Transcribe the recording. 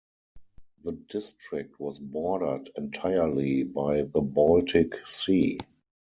The district was bordered entirely by the Baltic Sea.